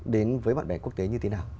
đến với bạn bè quốc tế như thế nào